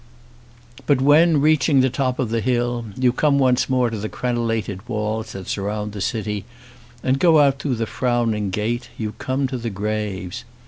But when, reaching the top of the hill, you come once more to the crenellated walls that surround the city and go out through the frowning gate, you come to the graves.